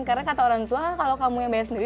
karena kata orang tua kalau kamu yang bayar sendiri